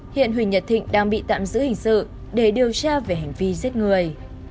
hiện huỳnh nhật thịnh đang bị tạm giữ hình sự để điều tra về hành vi giết người